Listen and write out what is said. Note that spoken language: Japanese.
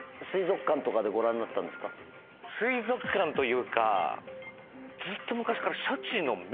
水族館というかずっと昔から。